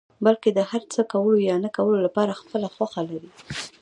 بلکې د هر څه کولو يا نه کولو لپاره خپله خوښه لري.